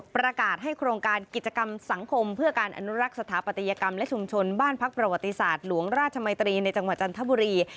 ประกาศให้โครงการกิจกรรมสังคมเพื่อการอนุรักษ์สถาปัตยกรรมและชุมชนบ้านพักประวัติศาสตร์หลวงราชมัยตรีในจังหวัดจันทบุรี